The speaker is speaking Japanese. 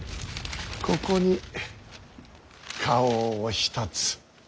ここに花押を一つ。